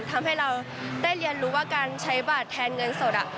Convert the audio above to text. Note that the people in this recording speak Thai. ทำให้เราได้เรียนรู้ว่าการใช้บัตรแทนเงินสด